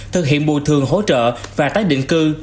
thực hiện bù thường hỗ trợ và tác định cư